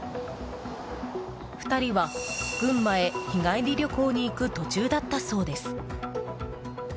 ２人は、群馬へ日帰り旅行に行く途中だったそうです。